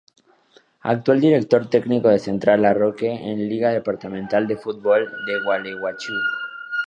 Actual Director Tecnico de Central Larroque en la Liga Departamental de Fútbol de Gualeguaychú.